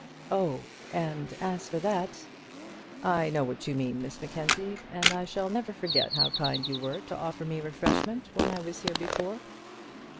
"Oh! and as for that " "I know what you mean, Miss Mackenzie, and I shall never forget how kind you were to offer me refreshment when I was here before."